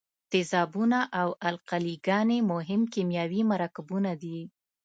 تیزابونه او القلي ګانې مهم کیمیاوي مرکبونه دي.